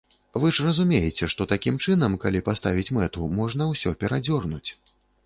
Вы ж разумееце, што такім чынам, калі паставіць мэту, можна ўсё перадзёрнуць.